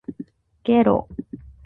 げろ